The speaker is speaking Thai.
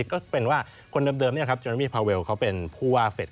ก็เป็นว่าคนเดิมเจรามีพาวเวลเป็นผู้ว่าเพชร